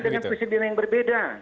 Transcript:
dengan presiden yang berbeda